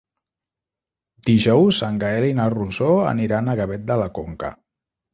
Dijous en Gaël i na Rosó aniran a Gavet de la Conca.